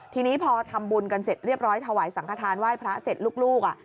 ทีนี้พอทำบุญกันเสร็จเรียบร้อยถวายสังขทานไหว้พระเสร็จลูก